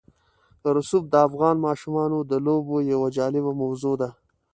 رسوب د افغان ماشومانو د لوبو یوه جالبه موضوع ده.